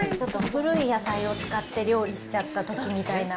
古い野菜を使って料理しちゃったときみたいな。